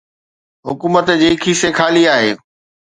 حڪومت جي کيسي خالي آهي.